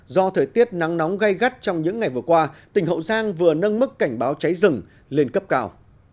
do thời tiết nắng nóng gây gắt trong những ngày vừa qua tỉnh hậu giang vừa nâng mức cảnh báo cháy rừng lên cấp cao